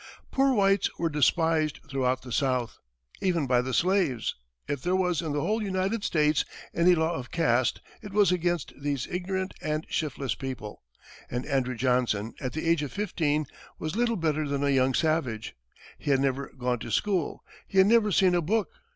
"Poor whites" were despised throughout the South, even by the slaves; if there was, in the whole United States, any law of caste, it was against these ignorant and shiftless people; and Andrew Johnson, at the age of fifteen, was little better than a young savage. He had never gone to school, he had never seen a book.